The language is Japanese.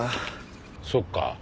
そっか。